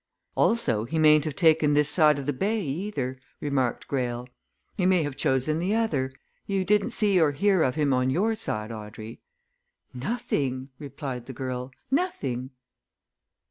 "Also, he mayn't have taken this side of the bay, either." remarked Greyle. "He may have chosen the other. You didn't see or hear of him on your side, Audrey?" "Nothing!" replied the girl. "Nothing!"